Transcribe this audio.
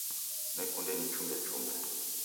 Nekunda nichumbe chumbe